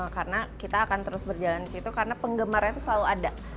karena kita akan terus berjalan disitu karena penggemarnya tuh selalu ada